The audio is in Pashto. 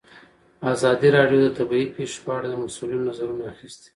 ازادي راډیو د طبیعي پېښې په اړه د مسؤلینو نظرونه اخیستي.